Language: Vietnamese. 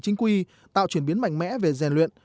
chính quy tạo chuyển biến mạnh mẽ về rèn luyện